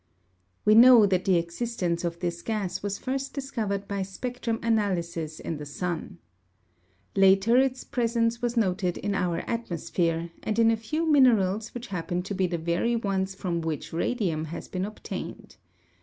We know that the existence of this gas was first discovered by spectrum analysis in the sun. Later its presence was noted in our atmosphere, and in a few minerals which happen to be the very ones from which radium has been obtained.